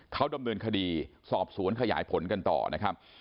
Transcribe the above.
เขาดำเนินคดีสอบสวนขยายผลกันต่อนะครับ